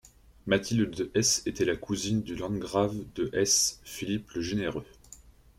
Mathilde de Hesse était la cousine du landgrave de Hesse, Philippe le Généreux.